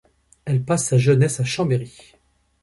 Elle passe sa jeunesse à Chambéry.